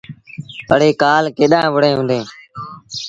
اَڙي ڪآل ڪيڏآن وُهڙيٚن هُݩديٚݩ۔